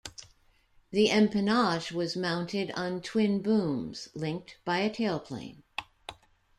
The empennage was mounted on twin booms linked by a tailplane.